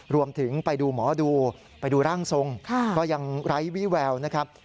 ไปดูหมอดูไปดูร่างทรงก็ยังไร้วิแววนะครับ